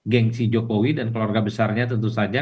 gengsi jokowi dan keluarga besarnya tentu saja